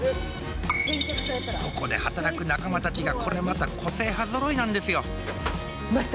ここで働く仲間たちがこれまた個性派ぞろいなんですよ